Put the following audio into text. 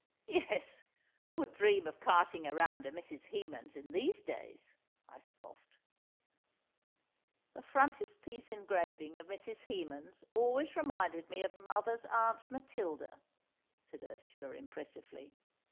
"Yes, who would dream of carting around a Mrs. Hemans in these days?" I scoffed. "The frontispiece engraving of Mrs. Hemans always reminded me of mother's Aunt Matilda," said Ursula impressively.